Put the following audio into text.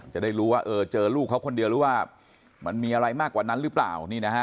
จะได้รู้ว่าเจอลูกเขาคนเดียวหรือว่ามันมีอะไรมากกว่านั้นหรือเปล่า